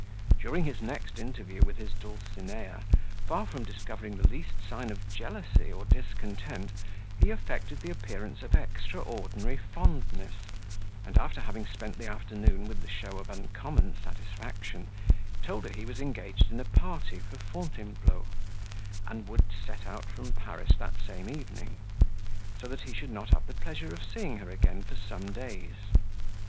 During his next interview with his dulcinea, far from discovering the least sign of jealousy or discontent, he affected the appearance of extraordinary fondness, and, after having spent the afternoon with the show of uncommon satisfaction, told her he was engaged in a party for Fountainebleau, and would set out from Paris that same evening; so that he should not have the pleasure of seeing her again for some days.